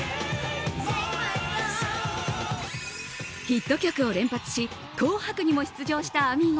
ヒット曲を連発し「紅白」にも出場したあみー